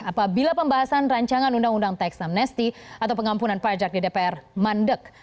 apabila pembahasan rancangan undang undang teks amnesti atau pengampunan pajak di dpr mandek